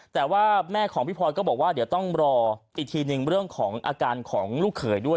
แต่ว่าแม่ของพี่พลอยก็บอกว่าเดี๋ยวต้องรออีกทีหนึ่งเรื่องของอาการของลูกเขยด้วย